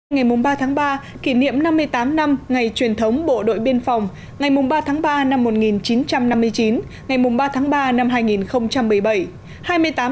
ngày ba tháng ba kỷ niệm năm mươi tám năm ngày truyền thống bộ đội biên phòng ngày ba tháng ba năm một nghìn chín trăm năm mươi chín ngày ba tháng ba năm hai nghìn một mươi bảy